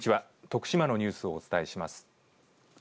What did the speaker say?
徳島のニュースをお伝えします。